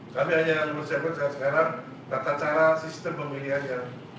kami hanya bersiap siap sekarang kata cara sistem pemilihannya